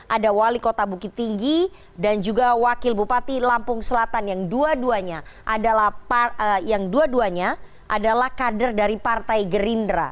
ada wali kota bukit tinggi dan juga wakil bupati lampung selatan yang dua duanya adalah kader dari partai gerindra